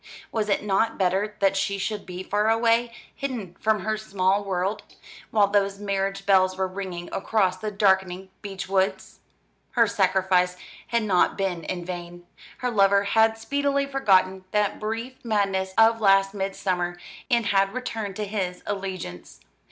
Was it not better that she should be far away, hidden from her small world; while those marriage bells were ringing across the darkening beech woods? Her sacrifice had not been in vain. Her lover had speedily forgotten that brief madness of last midsummer, and had returned to his allegiance.